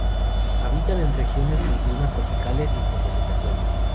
Habitan en regiones con clima tropicales y con vegetación.